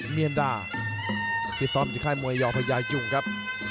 มียันดาครับมียันดาที่ซ่อมในค่ายมวยยอพยายุ่งครับ